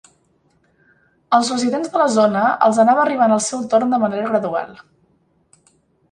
Als residents de la zona els anava arribant el seu torn de manera gradual.